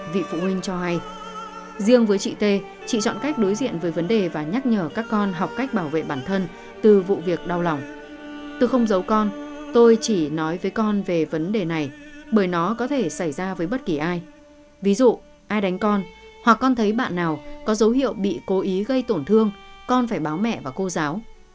ví dụ ai đánh con hoặc con thấy bạn nào có dấu hiệu bị cố ý gây tổn thương con phải báo mẹ và cô giáo